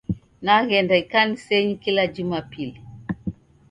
Naghenda ikanisenyi kila jumapili.